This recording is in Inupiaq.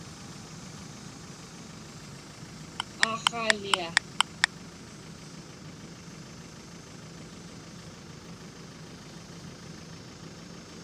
aaqhaalia